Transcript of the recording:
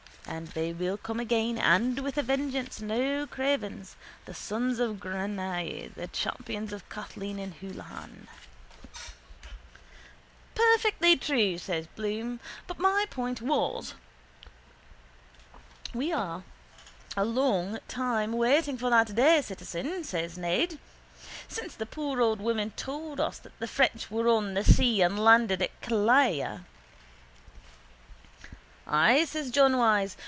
And they will come again and with a vengeance, no cravens, the sons of Granuaile, the champions of Kathleen ni Houlihan. —Perfectly true, says Bloom. But my point was... —We are a long time waiting for that day, citizen, says Ned. Since the poor old woman told us that the French were on the sea and landed at Killala. —Ay, says John Wyse.